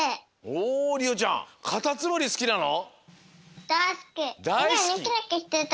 おりおちゃんカタツムリすきなの？